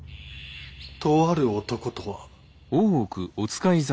「とある男」とは。